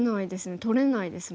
取れないですもんね。